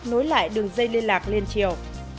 nối lại đường dây liên lạc liên triều